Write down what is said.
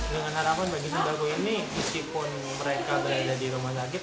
dengan harapan bagi terdakwa ini meskipun mereka berada di rumah sakit